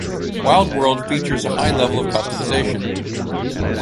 "Wild World" features a high level of customization.